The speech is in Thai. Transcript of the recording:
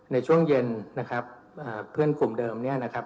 ในช่วงเย็นนะครับเพื่อนกลุ่มเดิมเนี่ยนะครับ